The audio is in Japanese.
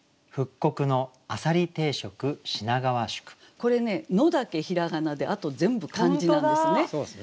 これね「の」だけ平仮名であと全部漢字なんですね。